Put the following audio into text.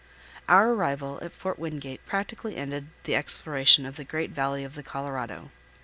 Our arrival at Fort Wingate practically ended the exploration of the great valley of the Colorado.